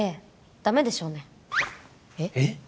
ダメでしょうねえっ？